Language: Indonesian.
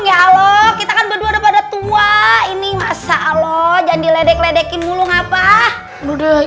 ya lo kita kan berdua depan tua ini masa lo jangan diledek ledekin mulu ngapa udah